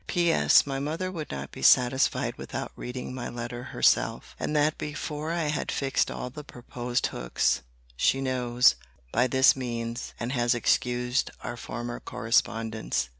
P.S. My mother would not be satisfied without reading my letter herself; and that before I had fixed all the proposed hooks. She knows, by this means, and has excused, our former correspondence.